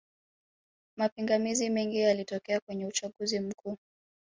mapingamizi mengi yalitokea kwenye uchaguzi mkuu